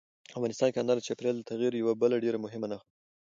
افغانستان کې انار د چاپېریال د تغیر یوه بله ډېره مهمه نښه ده.